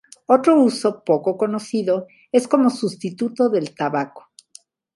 Otro uso, poco conocido, es como sustituto del tabaco.